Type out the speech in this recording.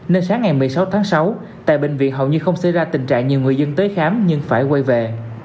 nên sáng ngày một mươi sáu tháng sáu tại bệnh viện hầu như không xảy ra tình trạng nhiều người dân tới khám nhưng phải quay về